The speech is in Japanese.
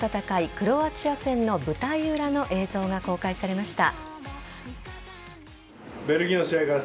クロアチア戦の舞台裏の映像が公開されました。